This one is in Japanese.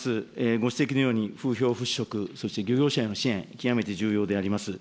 ご指摘のように、風評払拭、そして漁業者への支援、極めて重要であります。